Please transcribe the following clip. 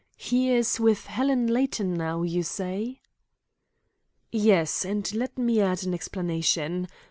He is with Helen Layton now, you say?" "Yes, and let me add an explanation.